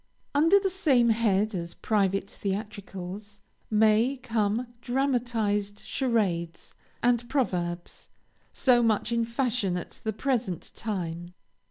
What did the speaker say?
Under the same head as private theatricals may come dramatized charades and proverbs, so much in fashion at the present time.